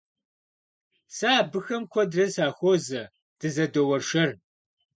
Сэ абыхэм куэдрэ сахуозэ, дызэдоуэршэр.